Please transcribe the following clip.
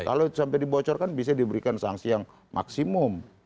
kalau sampai dibocorkan bisa diberikan sanksi yang maksimum